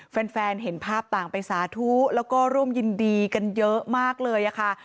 แฟนเห็นภาพต่างไปสาธุแล้วก็ร่วมยินดีกันเยอะมากเลยค่ะ